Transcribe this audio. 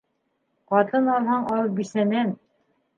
Ҡатын алһаң ал бисәнән